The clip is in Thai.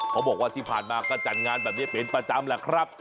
เขาบอกว่าที่ผ่านมาก็จัดงานแบบนี้เป็นประจำแหละครับ